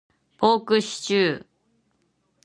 ポークシチュー